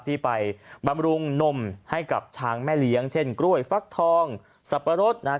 ที่ไปบำรุงนมให้กับช้างแม่เลี้ยงเช่นกล้วยฟักทองสับปะรดนะครับ